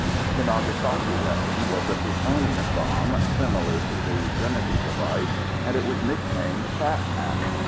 The Nagasaki weapon was a plutonium bomb, similar to the Trinity device, and it was nicknamed Fat Man.